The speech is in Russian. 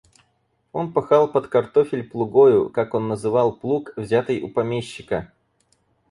Он пахал под картофель плугою, как он называл плуг, взятый у помещика.